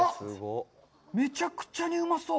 めちゃくちゃにうまそう。